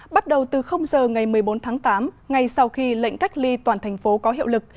bắt đầu từ giờ ngày một mươi bốn tháng tám ngay sau khi lệnh cách ly toàn thành phố có hiệu lực